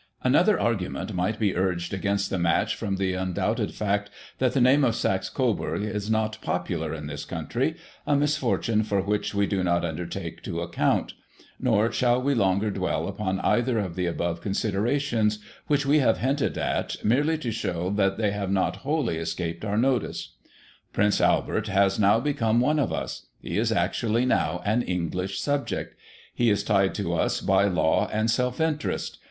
" Another argument might be urged against the match, from the undoubted fact that the name of Saxe Coburg is not popular in this country, a misfortune for which we do not undertake to account ; nor shall we longer dwell upon either of the above considerations, which we have hinted at, merely to shew that they have not wholly escaped our notice. ..." Prince Albert has now become one of us. He is, actually, now an English subject. He is tied to us by law and self interest.